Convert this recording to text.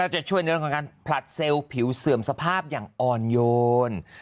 จะช่วยในเรื่องของการผลัดเซลล์ผิวเสื่อมสภาพอย่างอ่อนโยน